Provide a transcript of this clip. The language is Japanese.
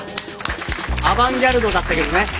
アバンギャルドだったけどね。